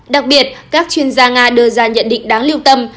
đặc biệt các chuyên gia nga đưa ra nhận định đáng lưu tâm